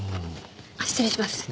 あっ失礼します。